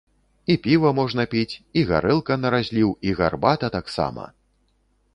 І піва можна піць, і гарэлка на разліў, і гарбата таксама!